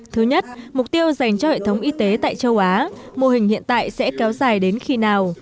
thứ nhất mục tiêu dành cho hệ thống y tế tại châu á mô hình hiện tại sẽ kéo dài đến khi nào